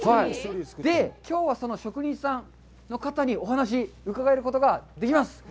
きょうはその職人さんの方にお話を伺えることができます。